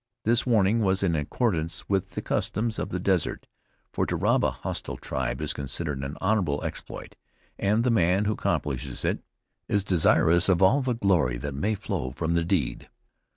This warning was in accordance with the customs of the Desert; for to rob a hostile tribe is considered an honorable exploit, and the man who accomplishes it is desirous of all the glory that may flow from the deed.